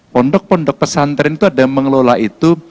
pondok pondok pesantren itu ada yang mengelola itu